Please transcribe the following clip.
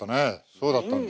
そうだったんだ。